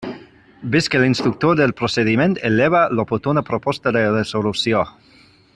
Vist que l'instructor del procediment eleva l'oportuna proposta de resolució.